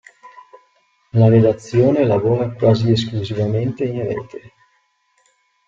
La redazione lavora quasi esclusivamente in rete.